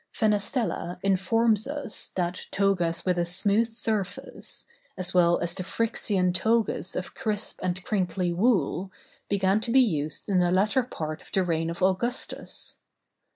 Fenestella informs us, that togas with a smooth surface, as well as the Phryxian togas of crisp and crinkly wool, began to be used in the latter part of the reign of Augustus.